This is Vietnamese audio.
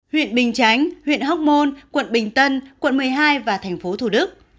huyện bình chánh huyện hóc môn quận bình tân quận một mươi hai và thành phố thủ đức